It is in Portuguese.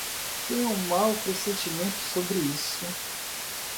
Tenho um mau pressentimento sobre isso!